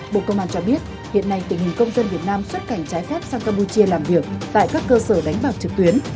bộ công an cho biết hiện nay tình hình công dân việt nam xuất cảnh trái phép sang campuchia làm việc tại các cơ sở đánh bạc trực tuyến